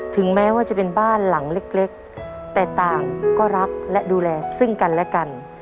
ถึงแม้ว่าจะเป็นบ้านหลังเล็กแต่ต่างก็รักและดูแลซึ่งกันและกัน